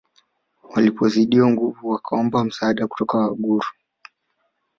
Walipozidiwa nguvu wakaomba msaada kutoka kwa Waluguru